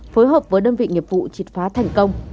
phối hợp với đơn vị nghiệp vụ triệt phá thành công